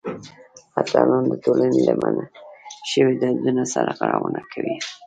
اتلان د ټولنې له منل شویو دودونو سرغړونه کوي.